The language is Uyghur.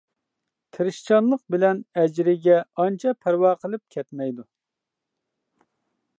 تىرىشچانلىق بىلەن ئەجىرگە ئانچە پەرۋا قىلىپ كەتمەيدۇ.